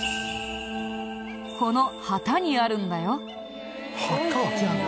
この旗にあるんだよ。